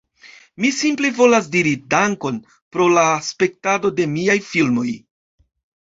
Mi simple volas diri "Dankon" pro la spektado de miaj filmoj.